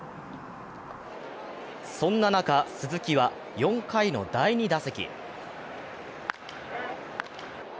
そんな中、鈴木は４回の第２打席。